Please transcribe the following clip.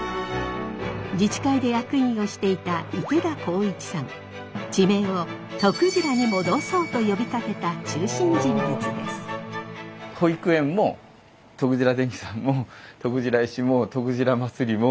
自治会で役員をしていた地名をとくじらに戻そうと呼びかけた中心人物です。